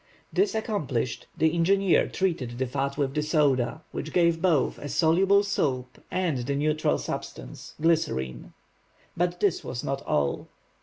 This accomplished, the engineer treated the fat with the soda, which gave both a soluble soap and the neutral substance, glycerine. But this was not all.